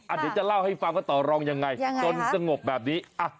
อ่ะเดี๋ยวจะเล่าให้ฟังว่าต่อรองยังไงยังไงครับจนสงบแบบนี้อ่ะ